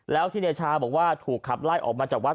แล้วที่เดชาบอกว่าถูกขับไล่ออกมาจากวัด